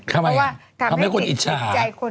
ทำให้คนอิจฉา